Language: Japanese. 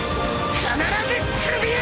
必ず首を！